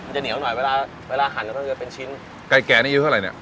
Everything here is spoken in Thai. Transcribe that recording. มันจะเหนียวหน่อยเวลาเวลาหันก็จะเป็นชิ้นไก่แก่นี่ยื้อเท่าไรเนี่ย